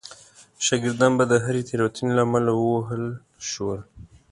شاګردان به د هرې تېروتنې له امله ووهل شول.